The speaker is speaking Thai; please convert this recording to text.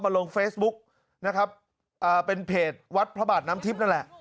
ลงเฟซบุ๊กนะครับอ่าเป็นเพจวัดพระบาทน้ำทิพย์นั่นแหละ